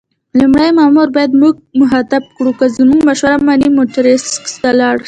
لومړي مامور بیا موږ مخاطب کړو: که زما مشوره منې مونټریکس ته ولاړ شه.